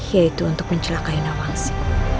yaitu untuk mencelakai nawangsi